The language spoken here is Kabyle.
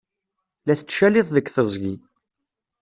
La tettcaliḍ deg teẓgi.